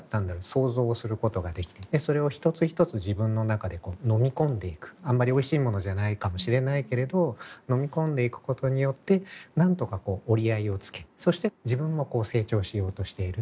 想像をすることができてそれを一つ一つ自分の中でこう飲み込んでいくあんまりおいしいものじゃないかもしれないけれど飲み込んでいくことによってなんとかこう折り合いをつけそして自分も成長しようとしている。